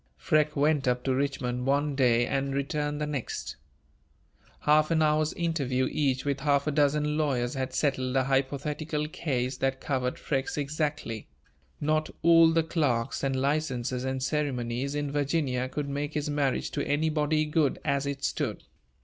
Freke went up to Richmond one day and returned the next. Half an hour's interview each with half a dozen lawyers had settled a hypothetical case that covered Freke's exactly: not all the clerks and licenses and ceremonies in Virginia could make his marriage to anybody good as it stood.